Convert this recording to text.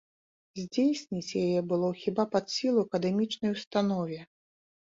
Здзейсніць яе было хіба пад сілу акадэмічнай установе.